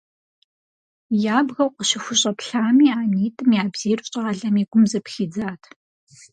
Ябгэу къыщыхущӏэплъами а нитӏым я бзийр щӏалэм и гум зэпхидзат.